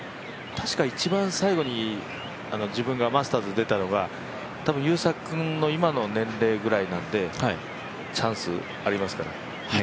たしか一番最後に自分がマスターズに出たのが優作君の今の年齢ぐらいなので、チャンスありますから。